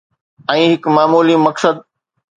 ۽ هڪ معمولي مقصد